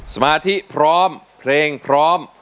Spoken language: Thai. สมาธิพร้อมเพลงพร้อม